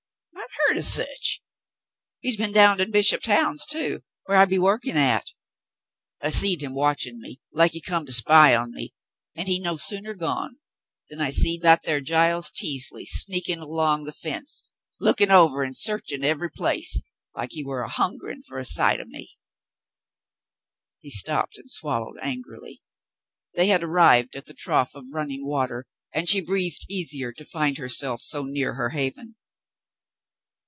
I have heard o' sech. He's be'n down to Bishop Towahs', too, whar I be'n workin' at. I seed him watchin' me like he come to spy on me, an' he no sooner gone than I seed that thar Giles Teasley sneakin' 'long the fence lookin' over an' searchin' eve'y place like he war a hungerin' fer a sight o' me." He stopped and swallowed angrily. They had arrived at the trough of running water, and she breathed easier to find herself so near her haven.